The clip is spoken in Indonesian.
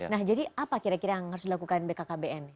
nah jadi apa kira kira yang harus dilakukan bkkbn